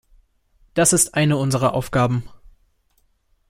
Das ist eine unserer Aufgaben.